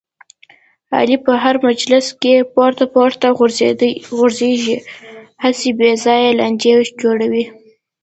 علي په هر مجلس کې پورته پورته غورځېږي، هسې بې ځایه لانجې جوړوي.